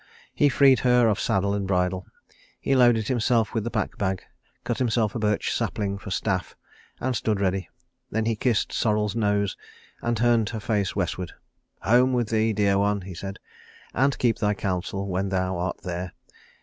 He freed her of saddle and bridle. He loaded himself with the pack bag, cut himself a birch sapling for staff, and stood ready. Then he kissed Sorrel's nose, and turned her face westward. "Home with thee, dear one," he said, "and keep thy counsel when thou art there.